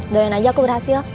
doain aja aku berhasil